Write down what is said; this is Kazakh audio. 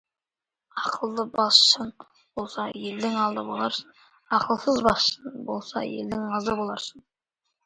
Ақылды басшың болса, елдің алды боларсың, ақылсыз басшың болса, елдің азы боларсың.